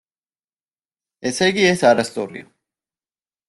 ესეიგი ეს არასწორია.